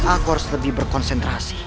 aku harus lebih berkonsentrasi